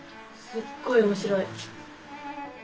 すっごい面白い！